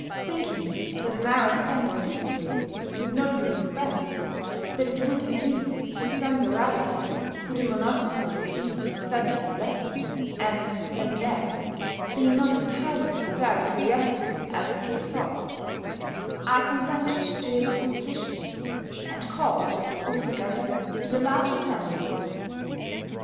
Thinking that an hour spent in this way would not be misspent, that it would at least give some variety to the monotonous routine of study and lessons, and, let me add, being not entirely without curiosity as to the result, I consented to his proposition, and called the school together in the large assembly room.